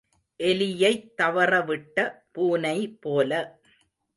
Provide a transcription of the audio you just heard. எலியைத் தவற விட்ட பூனை போல.